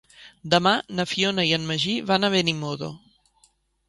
Demà na Fiona i en Magí van a Benimodo.